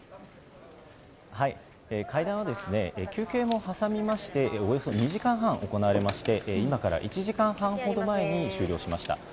会談は休憩もはさみましておよそ２時間半行われまして今から１時間半ほど前に終了しました。